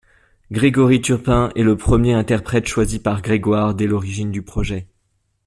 Grégory Turpin est le premier interprète choisi par Grégoire dès l'origine du projet.